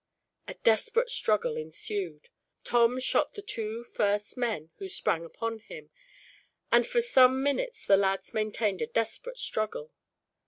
A desperate struggle ensued. Tom shot the two first men who sprang upon him, and for some minutes the lads maintained a desperate struggle.